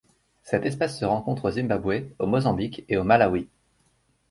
Cette espèce se rencontre au Zimbabwe, au Mozambique et au Malawi.